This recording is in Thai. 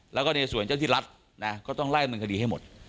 แล้วก็ในส่วนเจ้าที่รัฐนะก็ต้องไล่มันคดีให้หมด